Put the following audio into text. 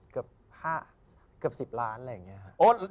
กับ๑๐ล้านอะไรแบบนี้